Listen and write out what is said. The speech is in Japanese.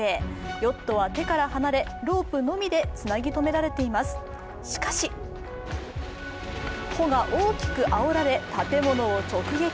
ヨットは手から離れロープのみでつなぎ止められています、しかし帆が大きくあおられ、建物を直撃。